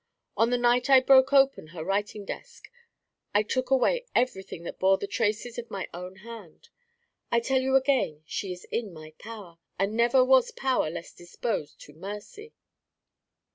On the night I broke open her writing desk, I took away everything that bore the traces of my own hand. I tell you again she is in my power, and never was power less disposed to mercy."